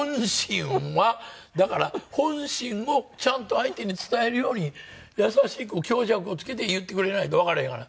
だから本心もちゃんと相手に伝えるように優しく強弱をつけて言ってくれないとわかれへんがな。